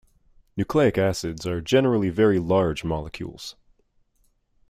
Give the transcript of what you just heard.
Nucleic acids are generally very large molecules.